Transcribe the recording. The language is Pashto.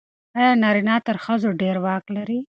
آیا نارینه تر ښځو ډېر واک لري؟